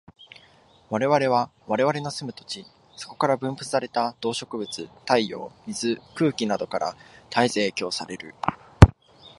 我々は我々の住む土地、そこに分布された動植物、太陽、水、空気等から絶えず影響される。